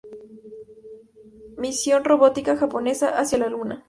Misión robótica japonesa hacia la Luna.